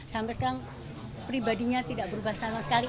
sampai sekarang pribadinya tidak berubah sama sekali